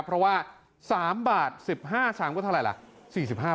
เพราะว่า๓บาท๑๕ชามก็เท่าไหร่ล่ะ